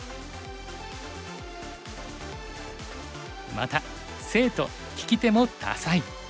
また生徒聞き手も多彩。